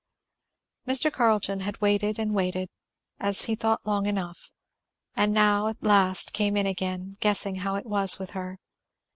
Mr. Carleton had waited and waited, as he thought long enough, and now at last came in again, guessing how it was with her.